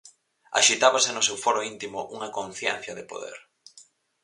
Axitábase no seu foro íntimo unha conciencia de poder.